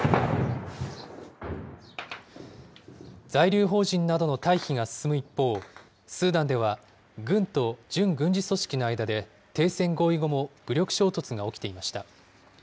在留邦人などの退避が進む一方、スーダンでは、軍と準軍事組織の間で、停戦合意後も武力衝突が起きていました。